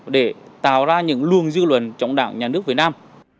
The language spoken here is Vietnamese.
để tạo ra những luồng dư luận trong đảng nhà nước việt nam